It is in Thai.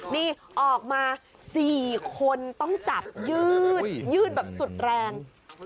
นี่ออกมา๔คนต้องจับยืดยืดแบบสุดแรง